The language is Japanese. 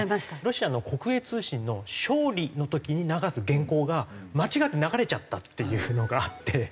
ロシアの国営通信の勝利の時に流す原稿が間違って流れちゃったっていうのがあって。